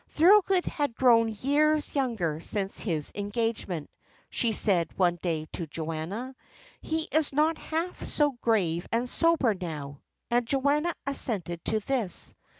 "Thorold has grown years younger since his engagement," she said one day to Joanna. "He is not half so grave and sober now." And Joanna assented to this.